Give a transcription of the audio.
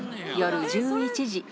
夜１１時。